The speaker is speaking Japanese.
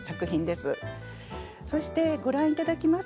そしてご覧いただきます